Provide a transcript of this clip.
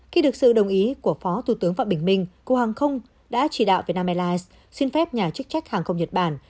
khi được sự đồng ý của phó thủ tướng phạm bình minh cục hàng không đã chỉ đạo vietnam airlines xin phép nhà chức trách hàng không nhật bản